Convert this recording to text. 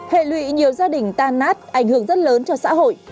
hệ lụy nhiều gia đình tan nát ảnh hưởng rất lớn cho xã hội